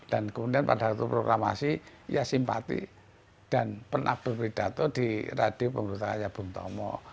dan kemudian pada waktu programasi ia simpati dan pernah berberi data di radio pemberontakan bung tomo